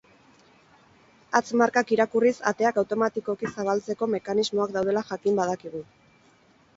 Hatz-markak irakurriz ateak automatikoki zabaltzeko mekanismoak daudela jakin badakigu.